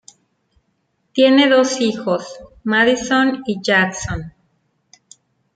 Tiene dos hijos, Madison y Jackson.